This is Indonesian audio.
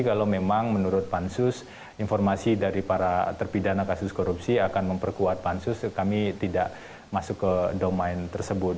kalau memang menurut pansus informasi dari para terpidana kasus korupsi akan memperkuat pansus kami tidak masuk ke domain tersebut